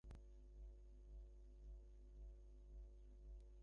কিন্তু যতদিন পর্যন্ত মানুষ চিন্তা করিবে, ততদিন সম্প্রদায়ও থাকিবে।